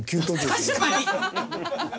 確かに！